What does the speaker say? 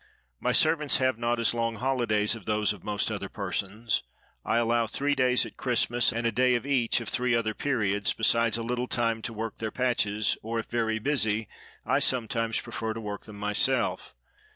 My servants have not as long holidays as those of most other persons. I allow three days at Christmas, and a day at each of three other periods, besides a little time to work their patches; or, if very busy, I sometimes prefer to work them myself.